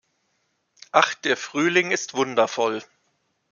Ach der Frühling ist wundervoll.